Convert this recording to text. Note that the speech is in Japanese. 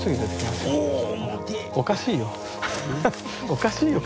おかしいよ。